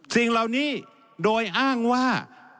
สิ่งเหล่านี้โดยอ้างว่า